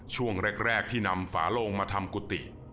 ช่วงแรกที่นำฝาโลงมาทำกุฏิ